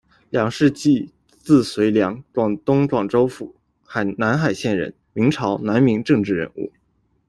梁士济，字遂良，广东广州府南海县人，明朝、南明政治人物。